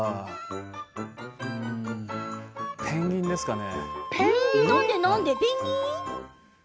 ペンギンですかね。